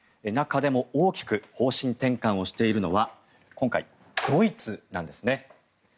中でも大きく方針転換をしているのは今回、ドイツなんですね。